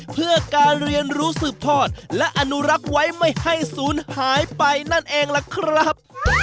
เพื่อการเรียนรู้สืบทอดและอนุรักษ์ไว้ไม่ให้ศูนย์หายไปนั่นเองล่ะครับ